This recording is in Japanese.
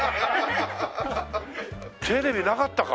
テレビなかったか。